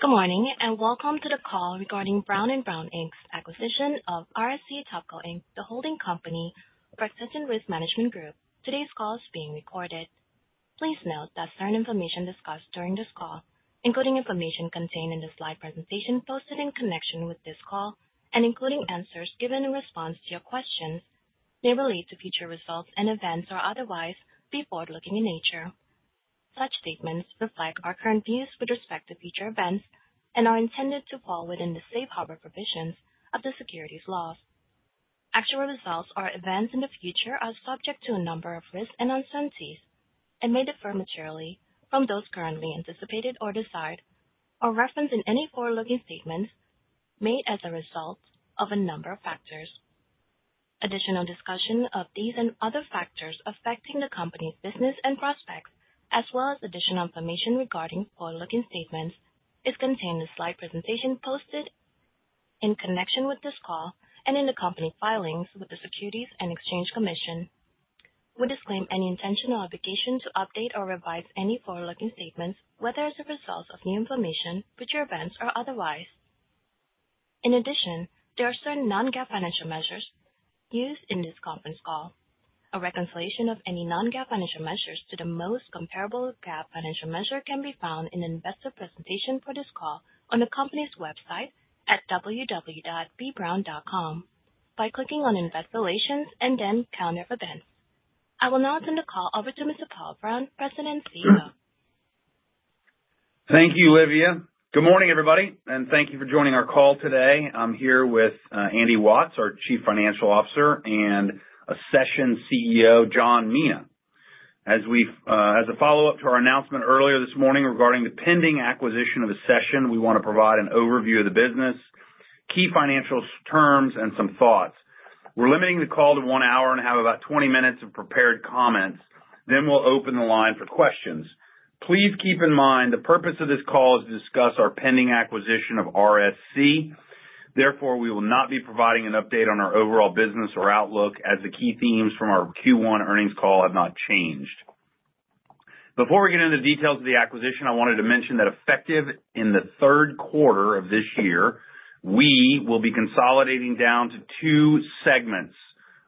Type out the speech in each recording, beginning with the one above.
Good morning and welcome to the call regarding Brown & Brown's acquisition of RSC Topco, the holding company for Accession Risk Management Group. Today's call is being recorded. Please note that certain information discussed during this call, including information contained in the slide presentation posted in connection with this call, and including answers given in response to your questions, may relate to future results and events or otherwise be forward-looking in nature. Such statements reflect our current views with respect to future events and are intended to fall within the safe harbor provisions of the securities laws. Actual results or events in the future are subject to a number of risks and uncertainties and may differ materially from those currently anticipated or desired, or referenced in any forward-looking statements made as a result of a number of factors. Additional discussion of these and other factors affecting the company's business and prospects, as well as additional information regarding forward-looking statements, is contained in the slide presentation posted in connection with this call and in the company filings with the Securities and Exchange Commission. We disclaim any intention or obligation to update or revise any forward-looking statements, whether as a result of new information, future events, or otherwise. In addition, there are certain non-GAAP financial measures used in this conference call. A reconciliation of any non-GAAP financial measures to the most comparable GAAP financial measure can be found in the investor presentation for this call on the company's website at www.bbrown.com by clicking on Investor Relations and then Calendar of Events. I will now turn the call over to Mr. Powell Brown, President and CEO. Thank you, Livia. Good morning, everybody, and thank you for joining our call today. I'm here with Andy Watts, our Chief Financial Officer, and Accession CEO John Mina. As a follow-up to our announcement earlier this morning regarding the pending acquisition of Accession, we want to provide an overview of the business, key financial terms, and some thoughts. We're limiting the call to one hour and have about 20 minutes of prepared comments. Then we'll open the line for questions. Please keep in mind the purpose of this call is to discuss our pending acquisition of RSC. Therefore, we will not be providing an update on our overall business or outlook as the key themes from our Q1 earnings call have not changed. Before we get into the details of the acquisition, I wanted to mention that effective in the third quarter of this year, we will be consolidating down to two segments: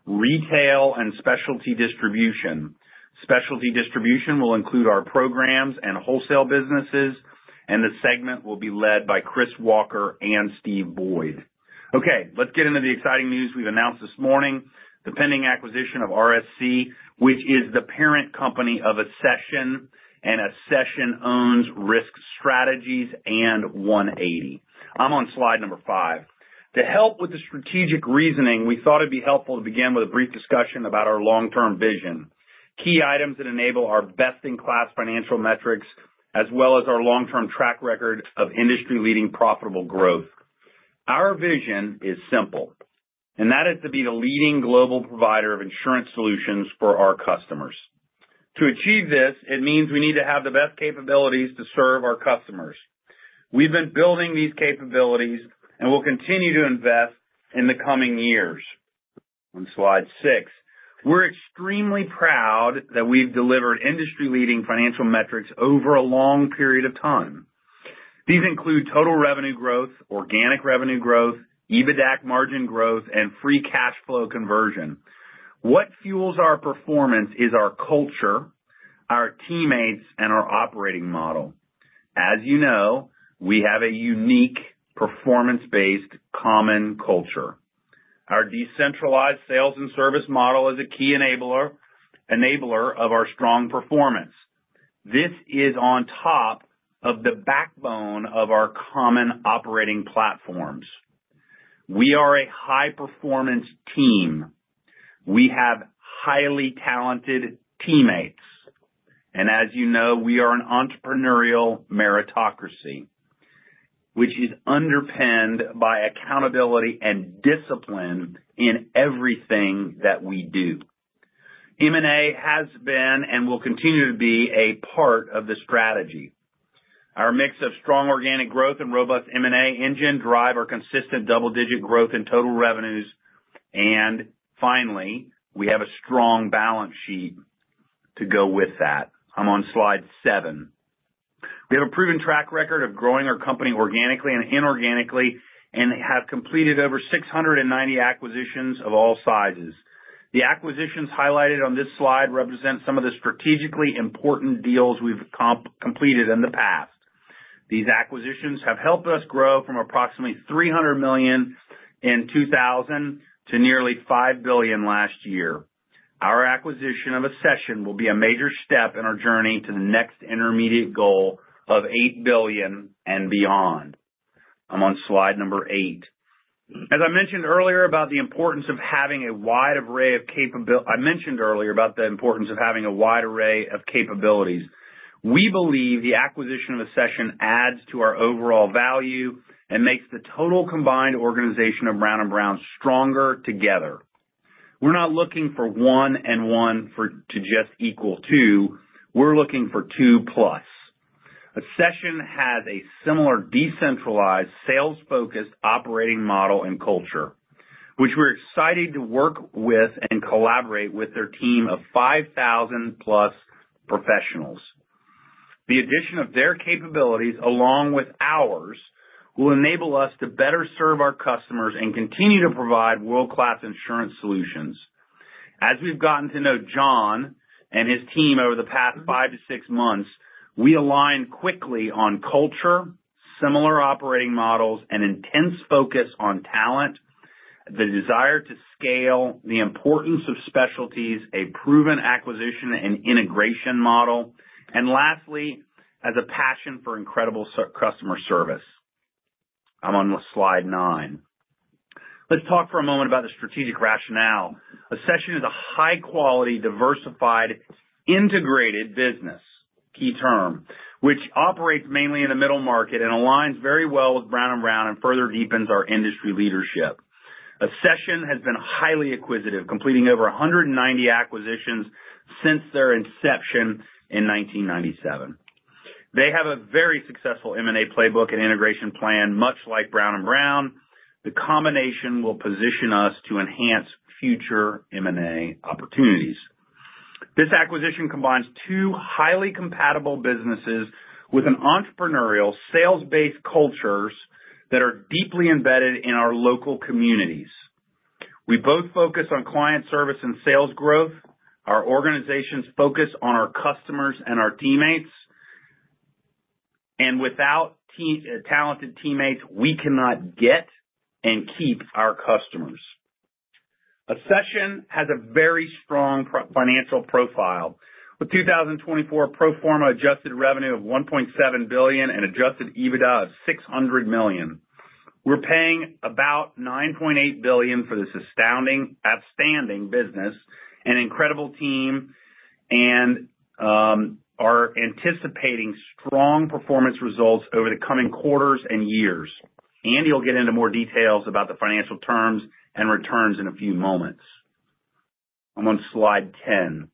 retail and specialty distribution. Specialty distribution will include our programs and wholesale businesses, and the segment will be led by Chris Walker and Steve Boyd. Okay, let's get into the exciting news we've announced this morning. The pending acquisition of RSC, which is the parent company of Accession, and Accession owns Risk Strategies and One80. I'm on slide number five. To help with the strategic reasoning, we thought it'd be helpful to begin with a brief discussion about our long-term vision, key items that enable our best-in-class financial metrics, as well as our long-term track record of industry-leading profitable growth. Our vision is simple, and that is to be the leading global provider of insurance solutions for our customers. To achieve this, it means we need to have the best capabilities to serve our customers. We've been building these capabilities and will continue to invest in the coming years. On slide six, we're extremely proud that we've delivered industry-leading financial metrics over a long period of time. These include total revenue growth, organic revenue growth, EBITDAC margin growth, and free cash flow conversion. What fuels our performance is our culture, our teammates, and our operating model. As you know, we have a unique performance-based common culture. Our decentralized sales and service model is a key enabler of our strong performance. This is on top of the backbone of our common operating platforms. We are a high-performance team. We have highly talented teammates. As you know, we are an entrepreneurial meritocracy, which is underpinned by accountability and discipline in everything that we do. M&A has been and will continue to be a part of the strategy. Our mix of strong organic growth and robust M&A engine drive our consistent double-digit growth in total revenues. Finally, we have a strong balance sheet to go with that. I'm on slide seven. We have a proven track record of growing our company organically and inorganically and have completed over 690 acquisitions of all sizes. The acquisitions highlighted on this slide represent some of the strategically important deals we've completed in the past. These acquisitions have helped us grow from approximately $300 million in 2000 to nearly $5 billion last year. Our acquisition of Accession will be a major step in our journey to the next intermediate goal of $8 billion and beyond. I'm on slide number eight. As I mentioned earlier about the importance of having a wide array of capabilities, we believe the acquisition of Accession adds to our overall value and makes the total combined organization of Brown & Brown stronger together. We're not looking for one and one to just equal two. We're looking for two plus. Accession has a similar decentralized sales-focused operating model and culture, which we're excited to work with and collaborate with their team of 5,000-plus professionals. The addition of their capabilities along with ours will enable us to better serve our customers and continue to provide world-class insurance solutions. As we've gotten to know John and his team over the past five to six months, we aligned quickly on culture, similar operating models, and intense focus on talent, the desire to scale, the importance of specialties, a proven acquisition and integration model, and lastly, a passion for incredible customer service. I'm on slide nine. Let's talk for a moment about the strategic rationale. Accession is a high-quality, diversified, integrated business, key term, which operates mainly in the middle market and aligns very well with Brown & Brown and further deepens our industry leadership. Accession has been highly acquisitive, completing over 190 acquisitions since their inception in 1997. They have a very successful M&A playbook and integration plan, much like Brown & Brown. The combination will position us to enhance future M&A opportunities. This acquisition combines two highly compatible businesses with entrepreneurial sales-based cultures that are deeply embedded in our local communities. We both focus on client service and sales growth. Our organizations focus on our customers and our teammates. Without talented teammates, we cannot get and keep our customers. Accession has a very strong financial profile with 2024 pro forma adjusted revenue of $1.7 billion and adjusted EBITDA of $600 million. We're paying about $9.8 billion for this astounding, outstanding business, an incredible team, and are anticipating strong performance results over the coming quarters and years. Andy will get into more details about the financial terms and returns in a few moments. I'm on slide 10.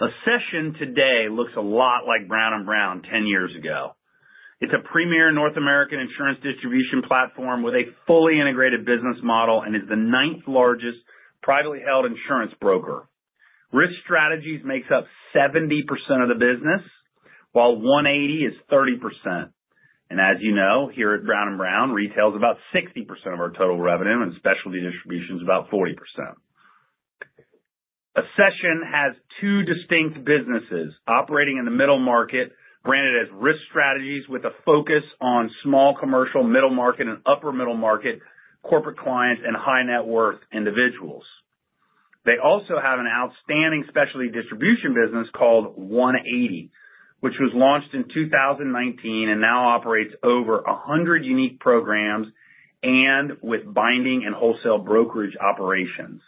Accession today looks a lot like Brown & Brown 10 years ago. It's a premier North American insurance distribution platform with a fully integrated business model and is the ninth largest privately held insurance broker. Risk Strategies makes up 70% of the business, while One80 is 30%. As you know, here at Brown & Brown, retail is about 60% of our total revenue, and specialty distribution is about 40%. Accession has two distinct businesses operating in the middle market, branded as Risk Strategies, with a focus on small commercial, middle market, and upper middle market corporate clients and high net worth individuals. They also have an outstanding specialty distribution business called One80, which was launched in 2019 and now operates over 100 unique programs and with binding and wholesale brokerage operations.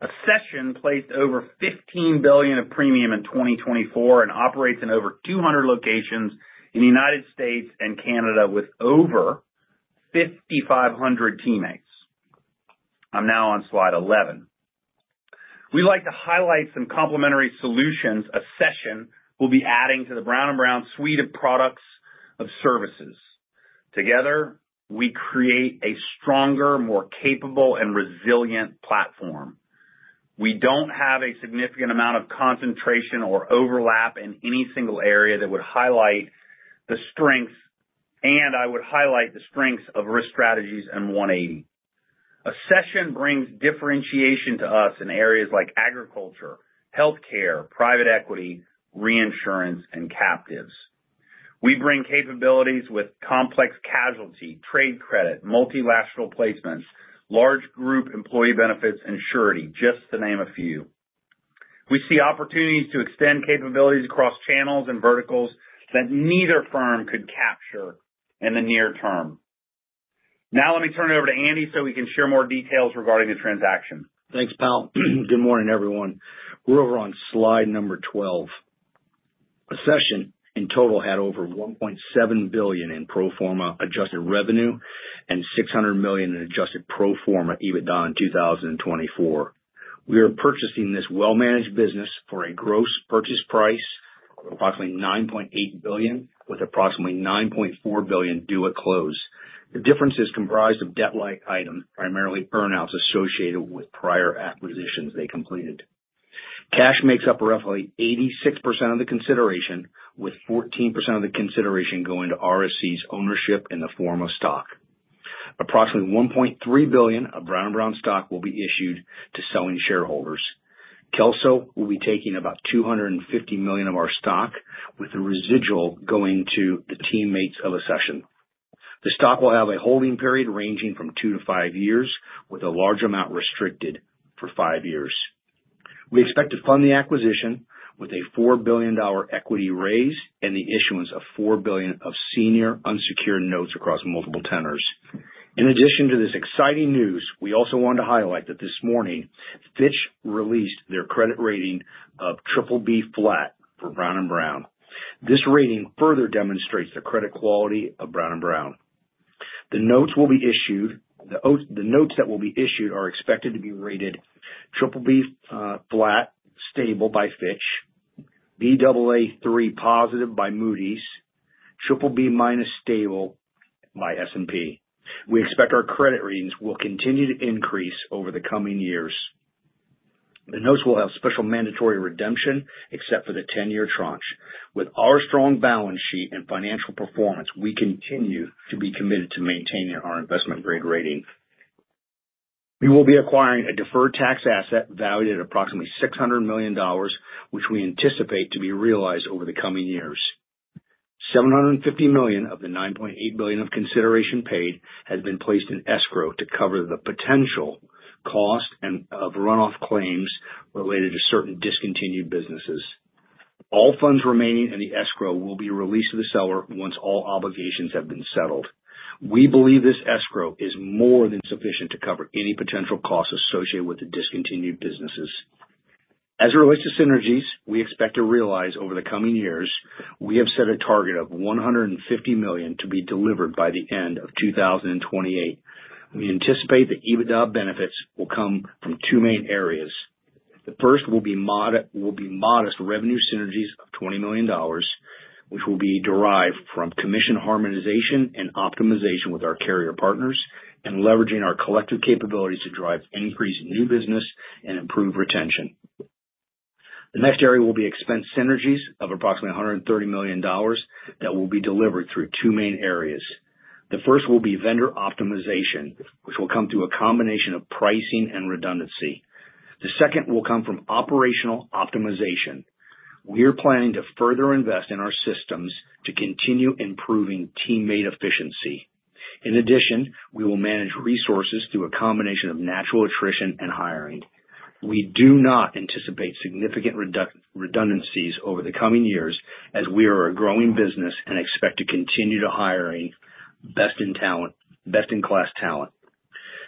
Accession placed over $15 billion of premium in 2024 and operates in over 200 locations in the United States and Canada with over 5,500 teammates. I'm now on slide 11. We'd like to highlight some complementary solutions Accession will be adding to the Brown & Brown suite of products of services. Together, we create a stronger, more capable, and resilient platform. We do not have a significant amount of concentration or overlap in any single area that would highlight the strengths, and I would highlight the strengths of Risk Strategies and One80. Accession brings differentiation to us in areas like agriculture, healthcare, private equity, reinsurance, and captives. We bring capabilities with complex casualty, trade credit, multilateral placements, large group employee benefits, and surety, just to name a few. We see opportunities to extend capabilities across channels and verticals that neither firm could capture in the near term. Now, let me turn it over to Andy so we can share more details regarding the transaction. Thanks, Pal. Good morning, everyone. We're over on slide number 12. Accession in total had over $1.7 billion in pro forma adjusted revenue and $600 million in adjusted pro forma EBITDA in 2024. We are purchasing this well-managed business for a gross purchase price of approximately $9.8 billion, with approximately $9.4 billion due at close. The difference is comprised of debt-like items, primarily earnouts associated with prior acquisitions they completed. Cash makes up roughly 86% of the consideration, with 14% of the consideration going to RSC's ownership in the form of stock. Approximately $1.3 billion of Brown & Brown stock will be issued to selling shareholders. Kelso will be taking about $250 million of our stock, with the residual going to the teammates of Accession. The stock will have a holding period ranging from two to five years, with a large amount restricted for five years. We expect to fund the acquisition with a $4 billion equity raise and the issuance of $4 billion of senior unsecured notes across multiple tenors. In addition to this exciting news, we also want to highlight that this morning, Fitch released their credit rating of BBB flat for Brown & Brown. This rating further demonstrates the credit quality of Brown & Brown. The notes that will be issued are expected to be rated BBB flat, stable by Fitch, Baa3 positive by Moody's, BBB minus stable by S&P. We expect our credit ratings will continue to increase over the coming years. The notes will have special mandatory redemption except for the 10-year tranche. With our strong balance sheet and financial performance, we continue to be committed to maintaining our investment-grade rating. We will be acquiring a deferred tax asset valued at approximately $600 million, which we anticipate to be realized over the coming years. $750 million of the $9.8 billion of consideration paid has been placed in escrow to cover the potential cost of runoff claims related to certain discontinued businesses. All funds remaining in the escrow will be released to the seller once all obligations have been settled. We believe this escrow is more than sufficient to cover any potential costs associated with the discontinued businesses. As it relates to synergies, we expect to realize over the coming years. We have set a target of $150 million to be delivered by the end of 2028. We anticipate the EBITDA benefits will come from two main areas. The first will be modest revenue synergies of $20 million, which will be derived from commission harmonization and optimization with our carrier partners and leveraging our collective capabilities to drive increased new business and improve retention. The next area will be expense synergies of approximately $130 million that will be delivered through two main areas. The first will be vendor optimization, which will come through a combination of pricing and redundancy. The second will come from operational optimization. We are planning to further invest in our systems to continue improving teammate efficiency. In addition, we will manage resources through a combination of natural attrition and hiring. We do not anticipate significant redundancies over the coming years as we are a growing business and expect to continue to hire best-in-class talent.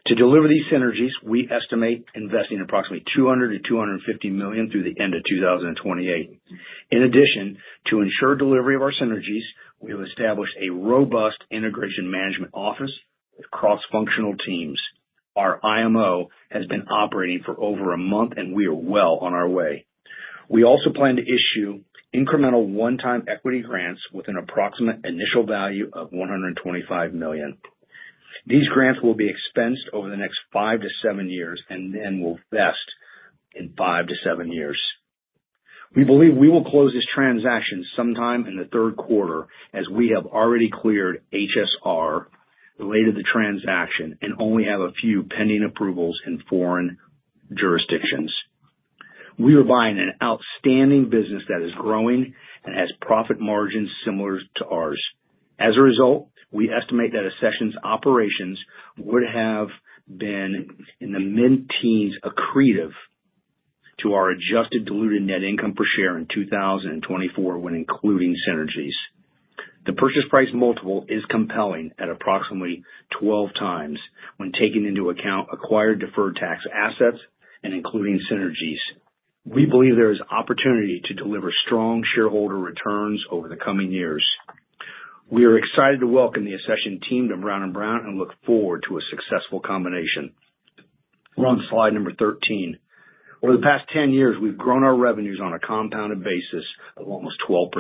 To deliver these synergies, we estimate investing approximately $200-$250 million through the end of 2028. In addition, to ensure delivery of our synergies, we have established a robust integration management office with cross-functional teams. Our IMO has been operating for over a month, and we are well on our way. We also plan to issue incremental one-time equity grants with an approximate initial value of $125 million. These grants will be expensed over the next five to seven years and then will vest in five to seven years. We believe we will close this transaction sometime in the third quarter as we have already cleared HSR related to the transaction and only have a few pending approvals in foreign jurisdictions. We are buying an outstanding business that is growing and has profit margins similar to ours. As a result, we estimate that Accession's operations would have been in the mid-teens accretive to our adjusted diluted net income per share in 2024 when including synergies. The purchase price multiple is compelling at approximately 12 times when taking into account acquired deferred tax assets and including synergies. We believe there is opportunity to deliver strong shareholder returns over the coming years. We are excited to welcome the Accession team to Brown & Brown and look forward to a successful combination. We're on slide number 13. Over the past 10 years, we've grown our revenues on a compounded basis of almost 12%.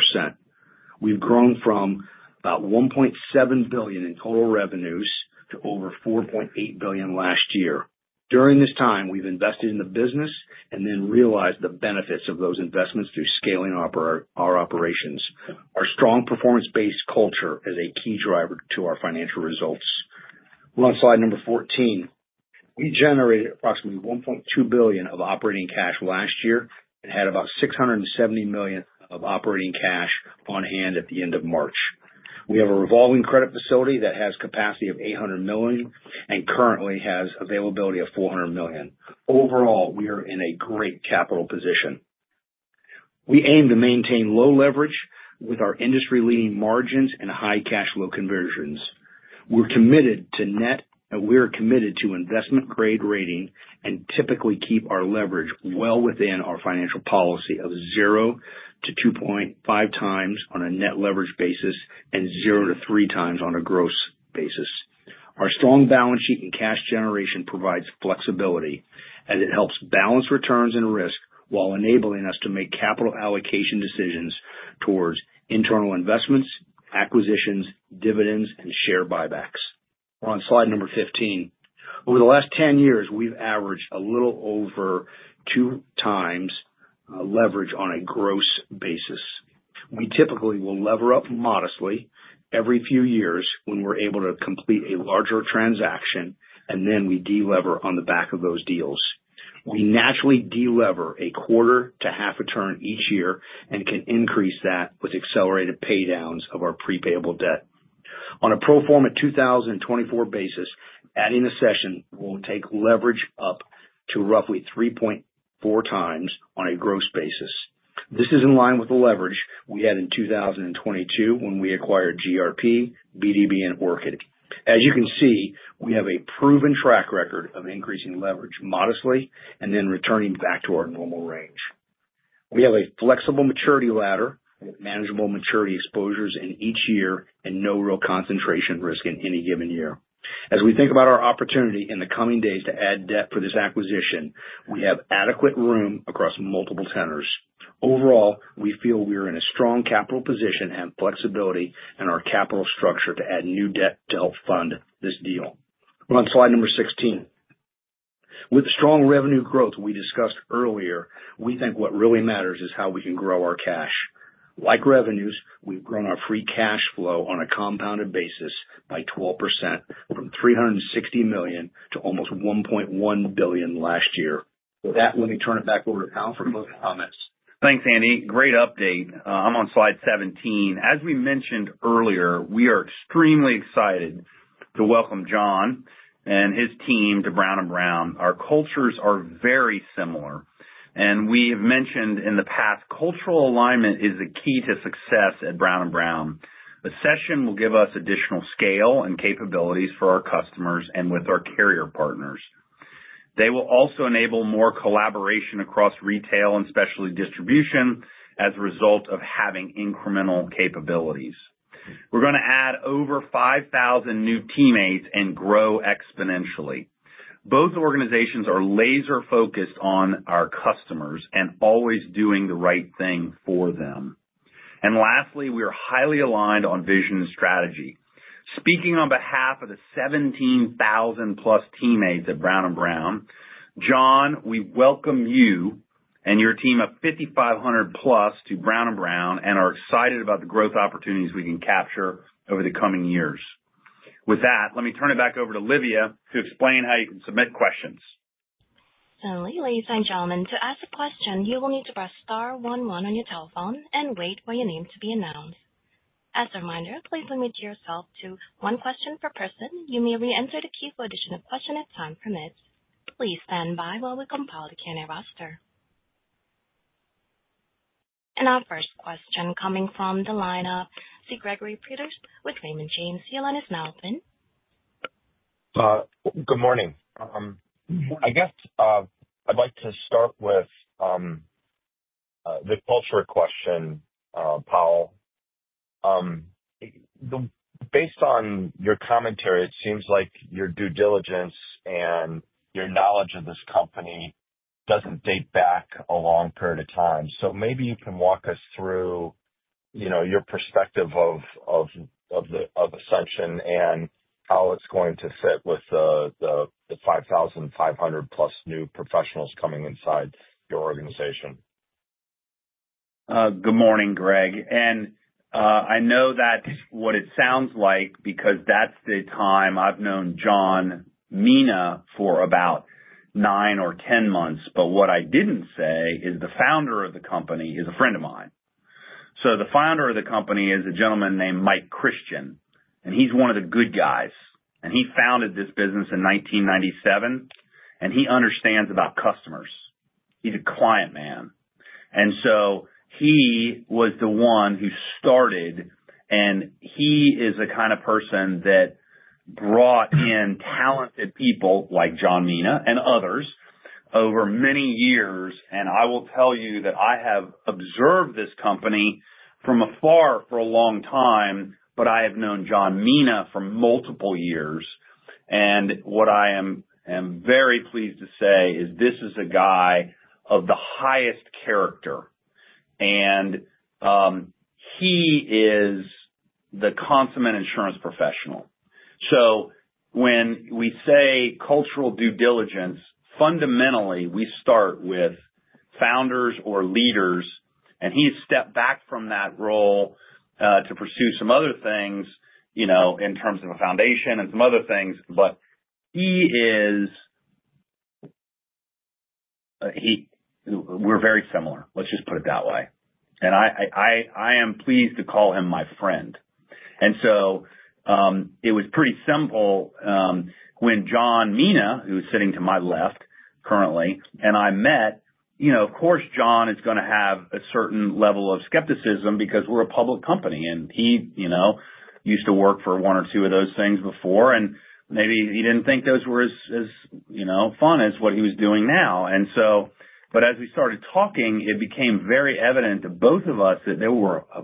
We've grown from about $1.7 billion in total revenues to over $4.8 billion last year. During this time, we've invested in the business and then realized the benefits of those investments through scaling our operations. Our strong performance-based culture is a key driver to our financial results. We're on slide number 14. We generated approximately $1.2 billion of operating cash last year and had about $670 million of operating cash on hand at the end of March. We have a revolving credit facility that has capacity of $800 million and currently has availability of $400 million. Overall, we are in a great capital position. We aim to maintain low leverage with our industry-leading margins and high cash flow conversions. We're committed to investment-grade rating and typically keep our leverage well within our financial policy of 0-2.5 times on a net leverage basis and 0-3 times on a gross basis. Our strong balance sheet and cash generation provides flexibility as it helps balance returns and risk while enabling us to make capital allocation decisions towards internal investments, acquisitions, dividends, and share buybacks. We're on slide number 15. Over the last 10 years, we've averaged a little over two times leverage on a gross basis. We typically will lever up modestly every few years when we're able to complete a larger transaction, and then we delever on the back of those deals. We naturally delever a quarter to half a turn each year and can increase that with accelerated paydowns of our prepayable debt. On a pro forma 2024 basis, adding Accession will take leverage up to roughly 3.4 times on a gross basis. This is in line with the leverage we had in 2022 when we acquired GRP, BdB, and Orchid. As you can see, we have a proven track record of increasing leverage modestly and then returning back to our normal range. We have a flexible maturity ladder with manageable maturity exposures in each year and no real concentration risk in any given year. As we think about our opportunity in the coming days to add debt for this acquisition, we have adequate room across multiple tenors. Overall, we feel we are in a strong capital position and flexibility in our capital structure to add new debt to help fund this deal. We're on slide number 16. With the strong revenue growth we discussed earlier, we think what really matters is how we can grow our cash. Like revenues, we've grown our free cash flow on a compounded basis by 12% from $360 million to almost $1.1 billion last year. With that, let me turn it back over to Powell for closing comments. Thanks, Andy. Great update. I'm on slide 17. As we mentioned earlier, we are extremely excited to welcome John and his team to Brown & Brown. Our cultures are very similar, and we have mentioned in the past, cultural alignment is the key to success at Brown & Brown. Accession will give us additional scale and capabilities for our customers and with our carrier partners. They will also enable more collaboration across retail and specialty distribution as a result of having incremental capabilities. We're going to add over 5,000 new teammates and grow exponentially. Both organizations are laser-focused on our customers and always doing the right thing for them. Lastly, we are highly aligned on vision and strategy. Speaking on behalf of the 17,000-plus teammates at Brown & Brown, John, we welcome you and your team of 5,500-plus to Brown & Brown and are excited about the growth opportunities we can capture over the coming years. With that, let me turn it back over to Livia to explain how you can submit questions. Ladies and gentlemen, to ask a question, you will need to press star 11 on your telephone and wait for your name to be announced. As a reminder, please limit yourself to one question per person. You may re-enter the Q for additional question if time permits. Please stand by while we compile the Q&A roster. Our first question coming from the lineu of Gregory Peters with Raymond James here. Your line is now open. Good morning. I guess I'd like to start with the culture question, Paul. Based on your commentary, it seems like your due diligence and your knowledge of this company doesn't date back a long period of time. So maybe you can walk us through your perspective of Accession and how it's going to fit with the 5,500-plus new professionals coming inside your organization. Good morning, Greg. I know that's what it sounds like because that's the time I've known John Mina for about nine or ten months. What I didn't say is the founder of the company is a friend of mine. The founder of the company is a gentleman named Mike Christian, and he's one of the good guys. He founded this business in 1997, and he understands about customers. He's a client man. He was the one who started, and he is the kind of person that brought in talented people like John Mina and others over many years. I will tell you that I have observed this company from afar for a long time, but I have known John Mina for multiple years. What I am very pleased to say is this is a guy of the highest character, and he is the consummate insurance professional. When we say cultural due diligence, fundamentally, we start with founders or leaders, and he has stepped back from that role to pursue some other things in terms of a foundation and some other things. We are very similar. Let's just put it that way. I am pleased to call him my friend. It was pretty simple when John Mina, who is sitting to my left currently, and I met. Of course, John is going to have a certain level of skepticism because we are a public company, and he used to work for one or two of those things before, and maybe he did not think those were as fun as what he was doing now. As we started talking, it became very evident to both of us that there were a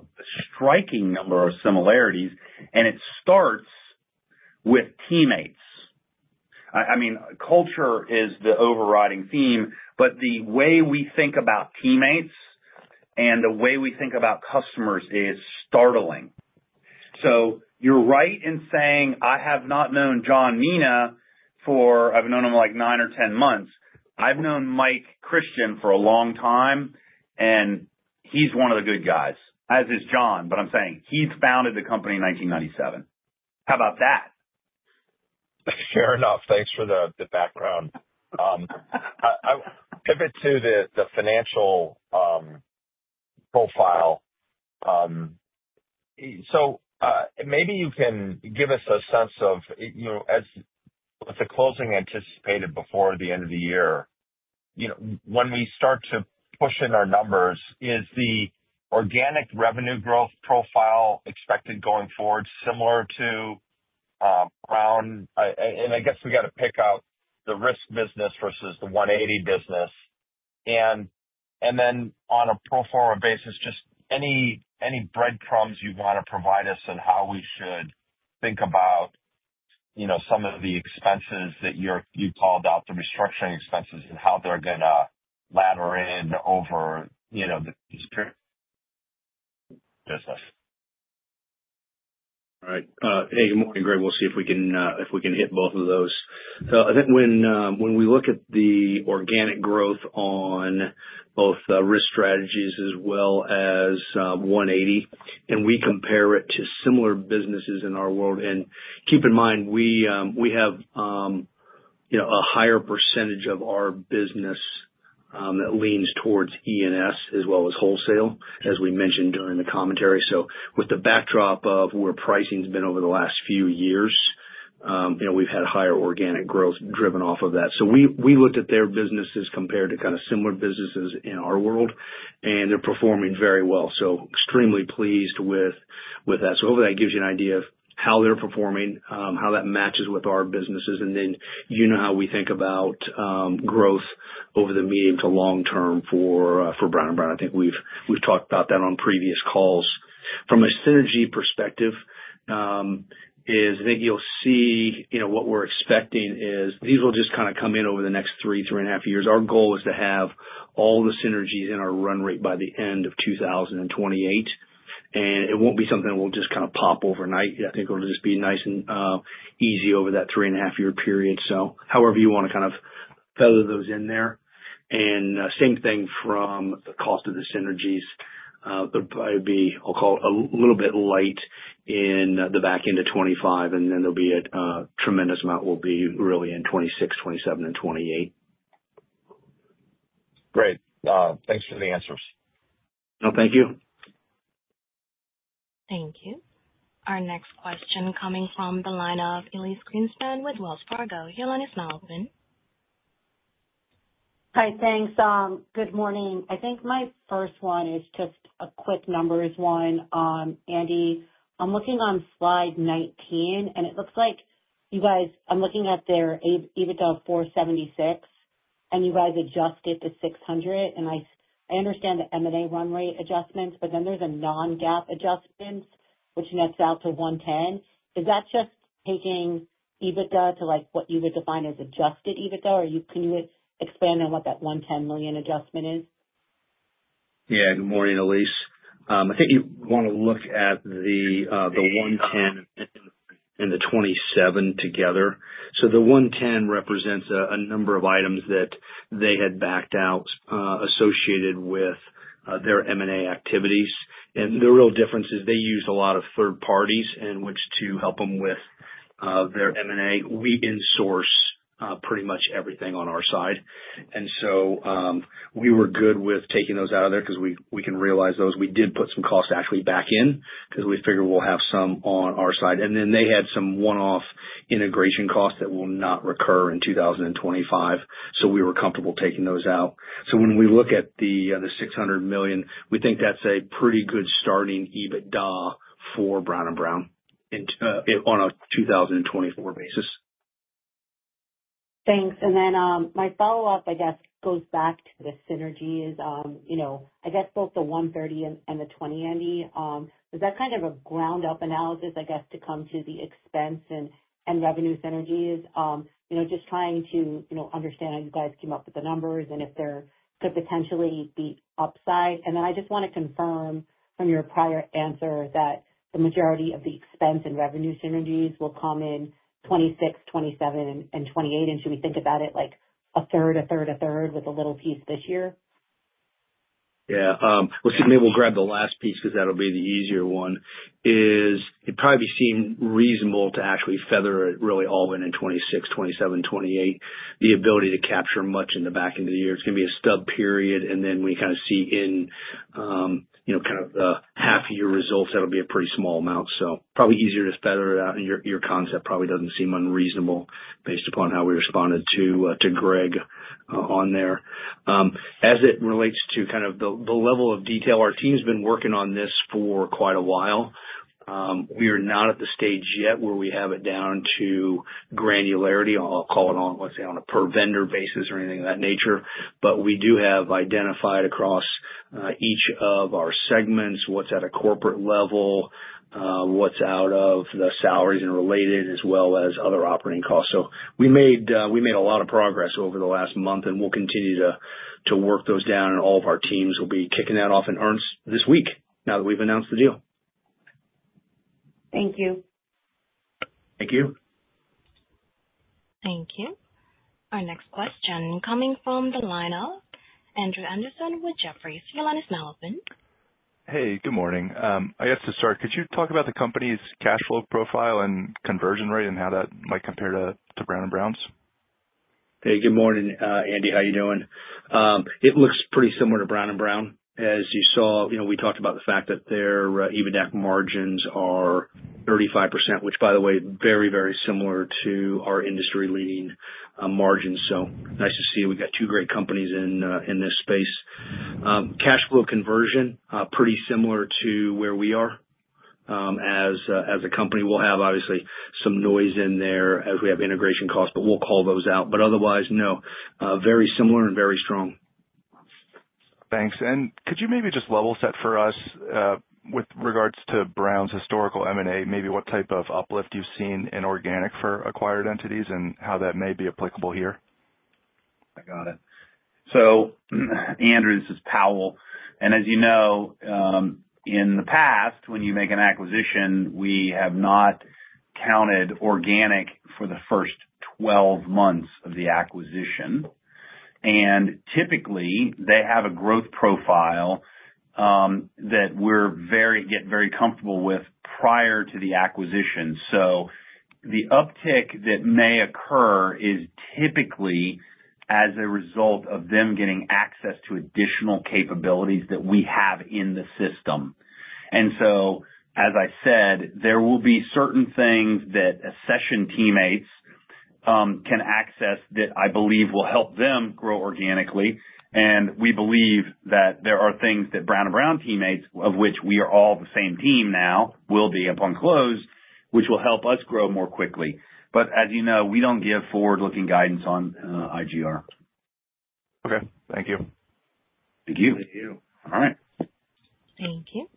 striking number of similarities, and it starts with teammates. I mean, culture is the overriding theme, but the way we think about teammates and the way we think about customers is startling. You're right in saying I have not known John Mina for, I've known him like nine or ten months. I've Mike Christian for a long time, and he's one of the good guys, as is John. I'm saying he founded the company in 1997. How about that? Fair enough. Thanks for the background. I'll pivot to the financial profile. Maybe you can give us a sense of, with the closing anticipated before the end of the year, when we start to push in our numbers, is the organic revenue growth profile expected going forward similar to Brown? I guess we got to pick out the risk business versus the One80 business. On a pro forma basis, just any breadcrumbs you want to provide us on how we should think about some of the expenses that you called out, the restructuring expenses, and how they're going to ladder in over this business. All right. Hey, good morning, Greg. We'll see if we can hit both of those. I think when we look at the organic growth on both Risk Strategies as well as One80, and we compare it to similar businesses in our world, and keep in mind, we have a higher percentage of our business that leans towards E&S as well as wholesale, as we mentioned during the commentary. With the backdrop of where pricing has been over the last few years, we've had higher organic growth driven off of that. We looked at their businesses compared to kind of similar businesses in our world, and they're performing very well. Extremely pleased with that. Hopefully, that gives you an idea of how they're performing, how that matches with our businesses. You know how we think about growth over the medium to long term for Brown & Brown. I think we've talked about that on previous calls. From a synergy perspective, I think you'll see what we're expecting is these will just kind of come in over the next three, three and a half years. Our goal is to have all the synergies in our run rate by the end of 2028, and it won't be something that will just kind of pop overnight. I think it'll just be nice and easy over that three and a half year period. However you want to kind of feather those in there. Same thing from the cost of the synergies. I'll call it a little bit light in the back end of 2025, and then there'll be a tremendous amount will be really in 2026, 2027, and 2028. Great. Thanks for the answers. No, thank you. Thank you. Our next question coming from the line of Elyse Greenspan with Wells Fargo. Your line is now open. Hi, thanks. Good morning. I think my first one is just a quick number is one. Andy, I'm looking on slide 19, and it looks like you guys, I'm looking at their EBITDA of 476, and you guys adjusted to 600. And I understand the M&A run rate adjustments, but then there's a non-GAAP adjustment, which nets out to 110. Is that just taking EBITDA to what you would define as adjusted EBITDA, or can you expand on what that 110 million adjustment is? Yeah. Good morning, Elise. I think you want to look at the 110 and the 27 together. The 110 represents a number of items that they had backed out associated with their M&A activities. The real difference is they used a lot of third parties in which to help them with their M&A. We insource pretty much everything on our side. We were good with taking those out of there because we can realize those. We did put some costs actually back in because we figured we'll have some on our side. They had some one-off integration costs that will not recur in 2025. We were comfortable taking those out. When we look at the $600 million, we think that's a pretty good starting EBITDA for Brown & Brown on a 2024 basis. Thanks. My follow-up, I guess, goes back to the synergies. I guess both the 130 and the 20, Andy, is that kind of a ground-up analysis, I guess, to come to the expense and revenue synergies? Just trying to understand how you guys came up with the numbers and if there could potentially be upside. I just want to confirm from your prior answer that the majority of the expense and revenue synergies will come in 2026, 2027, and 2028. Should we think about it like a third, a third, a third with a little piece this year? Yeah. Excuse me, we'll grab the last piece because that'll be the easier one. It'd probably be seen reasonable to actually feather it really all in in 2026, 2027, 2028. The ability to capture much in the back end of the year, it's going to be a stub period. When you kind of see in kind of the half-year results, that'll be a pretty small amount. Probably easier to feather it out. Your concept probably doesn't seem unreasonable based upon how we responded to Greg on there. As it relates to kind of the level of detail, our team's been working on this for quite a while. We are not at the stage yet where we have it down to granularity. I'll call it on, let's say, on a per vendor basis or anything of that nature. We do have identified across each of our segments what's at a corporate level, what's out of the salaries and related, as well as other operating costs. We made a lot of progress over the last month, and we'll continue to work those down. All of our teams will be kicking that off in earnest this week now that we've announced the deal. Thank you. Thank you. Thank you. Our next question coming from the line of Andrew Andersen with Jefferies. Your line is now open. Hey, good morning. I guess to start, could you talk about the company's cash flow profile and conversion rate and how that might compare to Brown & Brown's? Hey, good morning, Andy. How are you doing? It looks pretty similar to Brown & Brown. As you saw, we talked about the fact that their EBITDA margins are 35%, which, by the way, very, very similar to our industry-leading margins. Nice to see we got two great companies in this space. Cash flow conversion, pretty similar to where we are as a company. We'll have, obviously, some noise in there as we have integration costs, but we'll call those out. Otherwise, no. Very similar and very strong. Thanks. Could you maybe just level set for us with regards to Brown's historical M&A? Maybe what type of uplift you've seen in organic for acquired entities and how that may be applicable here? I got it. So Andrew, this is Powell. And as you know, in the past, when you make an acquisition, we have not counted organic for the first 12 months of the acquisition. And typically, they have a growth profile that we get very comfortable with prior to the acquisition. So the uptick that may occur is typically as a result of them getting access to additional capabilities that we have in the system. And so, as I said, there will be certain things that Accession teammates can access that I believe will help them grow organically. And we believe that there are things that Brown & Brown teammates, of which we are all the same team now, will be upon close, which will help us grow more quickly. But as you know, we do not give forward-looking guidance on IGR. Okay. Thank you. Thank you. Thank you. All right. Thank you.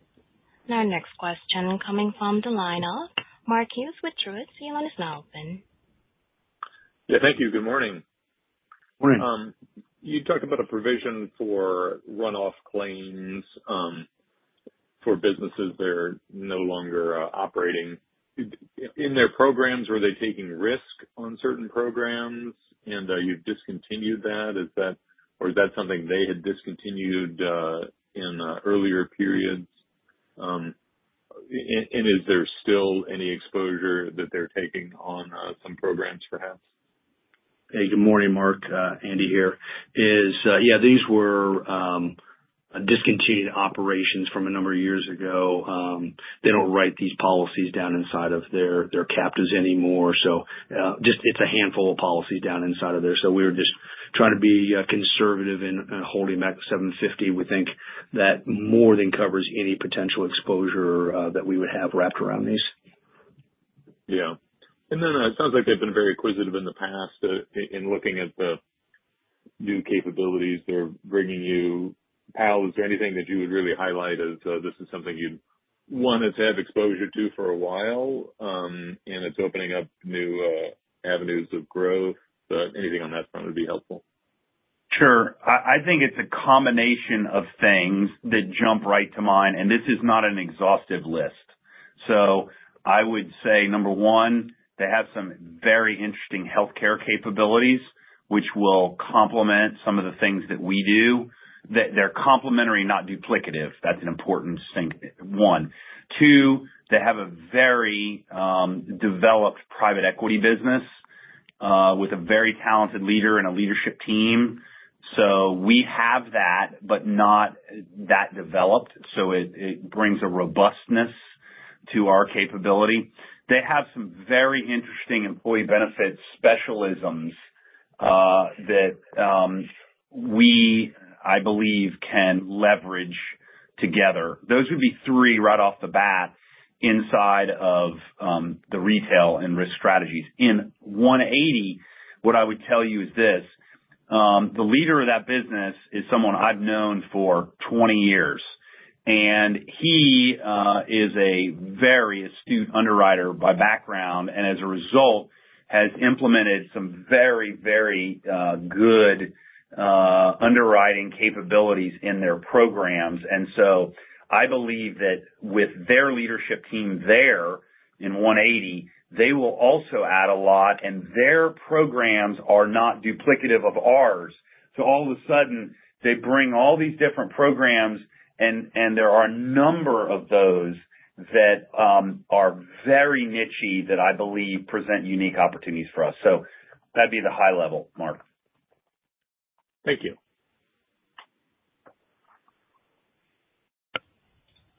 Now, our next question coming from the line of Mark Hughes with Truist. Your line is now open. Yeah. Thank you. Good morning. Morning. You talked about a provision for runoff claims for businesses that are no longer operating. In their programs, were they taking risk on certain programs, and you've discontinued that? Is that something they had discontinued in earlier periods? Is there still any exposure that they're taking on some programs, perhaps? Hey, good morning, Mark. Andy here. Yeah, these were discontinued operations from a number of years ago. They do not write these policies down inside of their captives anymore. It is just a handful of policies down inside of there. We were just trying to be conservative in holding back the $750. We think that more than covers any potential exposure that we would have wrapped around these. Yeah. It sounds like they've been very acquisitive in the past in looking at the new capabilities they're bringing you. Powell, is there anything that you would really highlight as this is something you'd wanted to have exposure to for a while, and it's opening up new avenues of growth? Anything on that front would be helpful. Sure. I think it's a combination of things that jump right to mind. This is not an exhaustive list. I would say, number one, they have some very interesting healthcare capabilities, which will complement some of the things that we do. They're complementary, not duplicative. That's an important one. Two, they have a very developed private equity business with a very talented leader and a leadership team. We have that, but not that developed. It brings a robustness to our capability. They have some very interesting employee benefit specialisms that we, I believe, can leverage together. Those would be three right off the bat inside of the retail and risk strategies. In One80, what I would tell you is this: the leader of that business is someone I've known for 20 years. He is a very astute underwriter by background and, as a result, has implemented some very, very good underwriting capabilities in their programs. I believe that with their leadership team there in One80, they will also add a lot. Their programs are not duplicative of ours. All of a sudden, they bring all these different programs, and there are a number of those that are very niche that I believe present unique opportunities for us. That would be the high level, Mark. Thank you.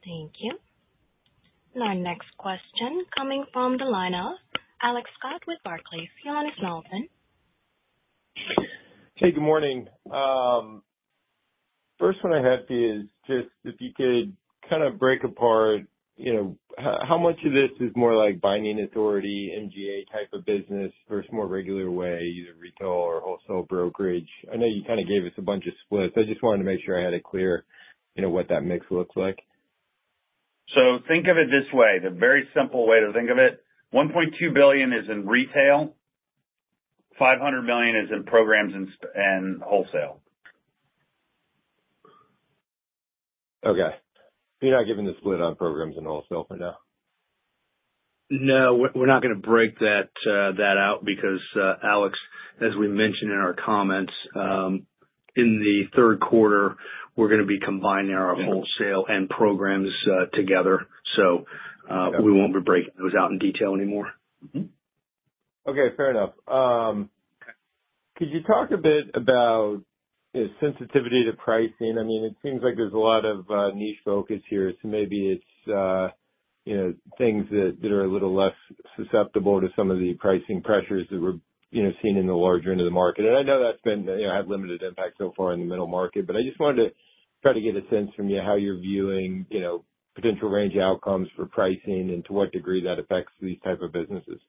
Thank you. Now, our next question coming from the line of Alex Scott with Barclays. Your line is now open. Hey, good morning. First one I have is just if you could kind of break apart how much of this is more like binding authority, MGA type of business versus more regular way, either retail or wholesale brokerage. I know you kind of gave us a bunch of splits. I just wanted to make sure I had it clear what that mix looks like. Think of it this way. The very simple way to think of it: $1.2 billion is in retail. $500 million is in programs and wholesale. Okay. You're not giving the split on programs and wholesale for now? No, we're not going to break that out because, Alex, as we mentioned in our comments, in the third quarter, we're going to be combining our wholesale and programs together. We won't be breaking those out in detail anymore. Okay. Fair enough. Could you talk a bit about sensitivity to pricing? I mean, it seems like there's a lot of niche focus here. Maybe it's things that are a little less susceptible to some of the pricing pressures that we're seeing in the larger end of the market. I know that's had limited impact so far in the middle market, but I just wanted to try to get a sense from you how you're viewing potential range outcomes for pricing and to what degree that affects these types of businesses.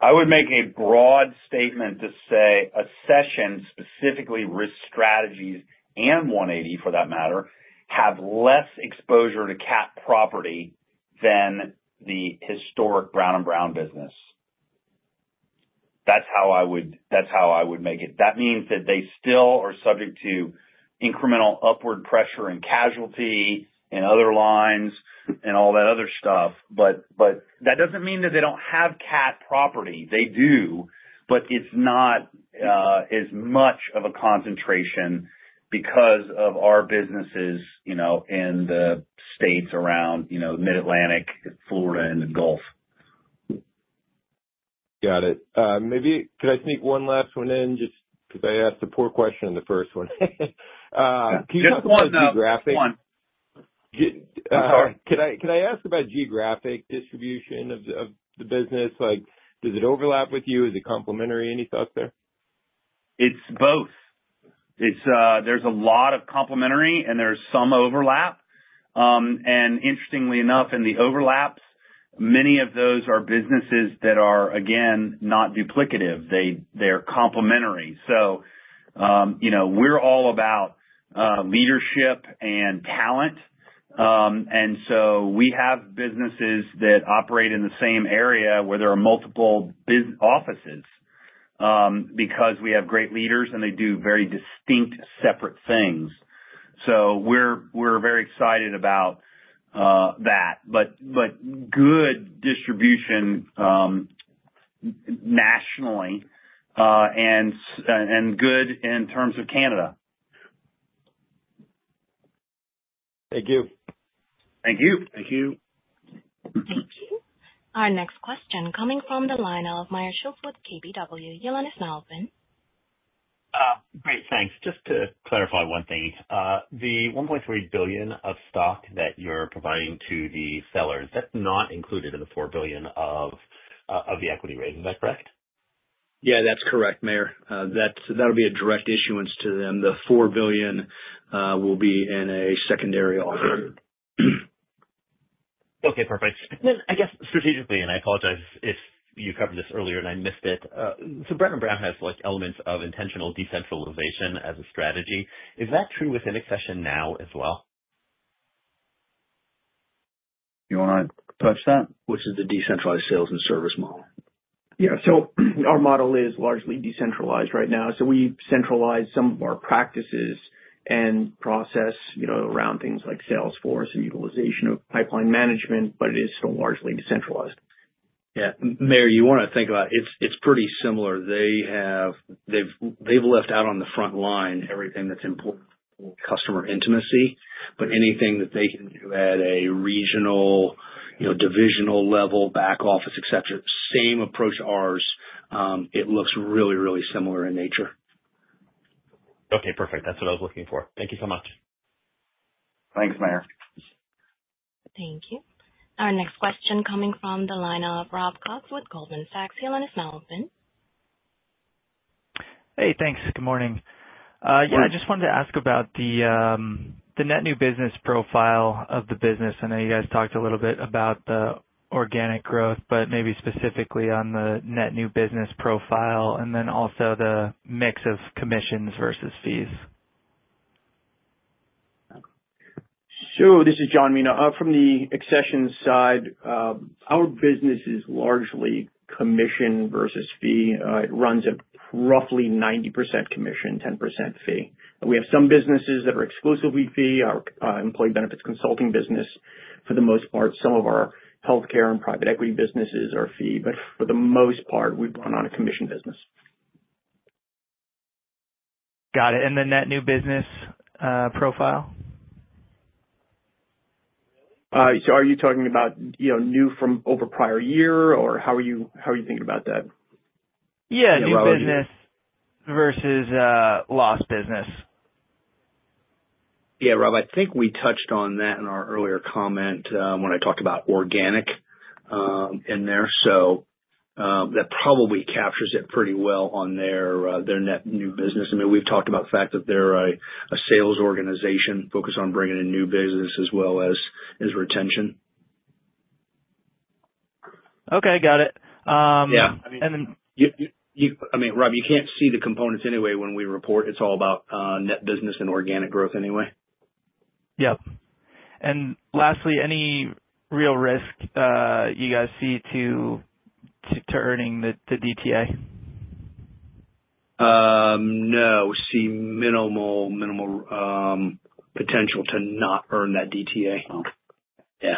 I would make a broad statement to say Accession, specifically Risk Strategies and One80 for that matter, have less exposure to cat property than the historic Brown & Brown business. That's how I would make it. That means that they still are subject to incremental upward pressure in casualty and other lines and all that other stuff. That does not mean that they do not have cat property. They do, but it is not as much of a concentration because of our businesses in the states around the Mid-Atlantic, Florida, and the Gulf. Got it. Maybe could I sneak one last one in just because I asked a poor question in the first one? Just one. Can I ask about geographic distribution of the business? Does it overlap with you? Is it complementary? Any thoughts there? It's both. There's a lot of complementary, and there's some overlap. Interestingly enough, in the overlaps, many of those are businesses that are, again, not duplicative. They're complementary. We are all about leadership and talent. We have businesses that operate in the same area where there are multiple offices because we have great leaders, and they do very distinct separate things. We are very excited about that. Good distribution nationally and good in terms of Canada. Thank you. Thank you. Thank you. Thank you. Our next question coming from the line of Meyer Shields with KBW. Your line is now open. Great. Thanks. Just to clarify one thing. The $1.3 billion of stock that you're providing to the sellers, that's not included in the $4 billion of the equity rate. Is that correct? Yeah, that's correct, Meyer. That'll be a direct issuance to them. The $4 billion will be in a secondary offer. Okay. Perfect. I guess strategically, and I apologize if you covered this earlier and I missed it. Brown & Brown has elements of intentional decentralization as a strategy. Is that true within Accession now as well? You want to touch that? Which is the decentralized sales and service model. Yeah. So our model is largely decentralized right now. We centralize some of our practices and process around things like Salesforce and utilization of pipeline management, but it is still largely decentralized. Yeah. Meyer, you want to think about it, it's pretty similar. They've left out on the front line everything that's important for customer intimacy. Anything that they can do at a regional, divisional level, back office, etc., same approach to ours. It looks really, really similar in nature. Okay. Perfect. That's what I was looking for. Thank you so much. Thanks, Meyer. Thank you. Our next question coming from the line of Rob Cox with Goldman Sachs. Your line is now open. Hey, thanks. Good morning. Yeah, I just wanted to ask about the net new business profile of the business. I know you guys talked a little bit about the organic growth, but maybe specifically on the net new business profile and then also the mix of commissions versus fees. Sure. This is John Mina. From the Accession side, our business is largely commission versus fee. It runs at roughly 90% commission, 10% fee. We have some businesses that are exclusively fee. Our employee benefits consulting business, for the most part. Some of our healthcare and private equity businesses are fee. For the most part, we've gone on a commission business. Got it. And then net new business profile? Are you talking about new from over prior year, or how are you thinking about that? Yeah, new business versus lost business. Yeah, Rob, I think we touched on that in our earlier comment when I talked about organic in there. That probably captures it pretty well on their net new business. I mean, we've talked about the fact that they're a sales organization focused on bringing in new business as well as retention. Okay. Got it. Yeah. I mean, Rob, you can't see the components anyway when we report. It's all about net business and organic growth anyway. Yep. Lastly, any real risk you guys see to earning the DTA? No. See minimal potential to not earn that DTA. Yeah.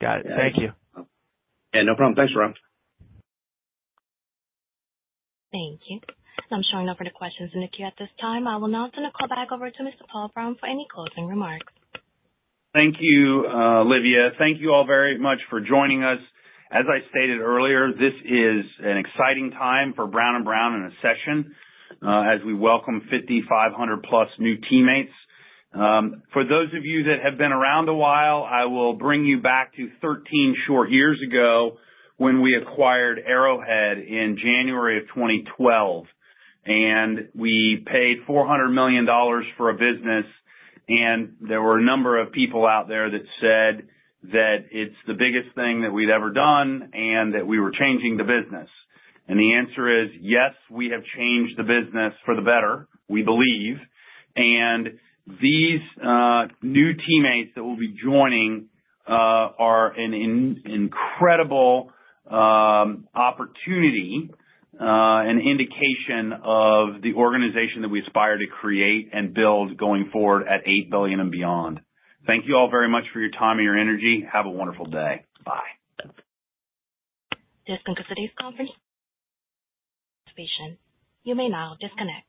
Got it. Thank you. Yeah. No problem. Thanks, Rob. Thank you. I'm showing no further questions in the queue at this time. I will now turn the call back over to Mr. Powell Brown for any closing remarks. Thank you, Olivia. Thank you all very much for joining us. As I stated earlier, this is an exciting time for Brown & Brown and Accession as we welcome 5,500-plus new teammates. For those of you that have been around a while, I will bring you back to 13 short years ago when we acquired Arrowhead in January of 2012. We paid $400 million for a business. There were a number of people out there that said that it is the biggest thing that we have ever done and that we were changing the business. The answer is, yes, we have changed the business for the better, we believe. These new teammates that will be joining are an incredible opportunity and indication of the organization that we aspire to create and build going forward at $8 billion and beyond. Thank you all very much for your time and your energy. Have a wonderful day. Bye. This concludes today's conference. You may now disconnect.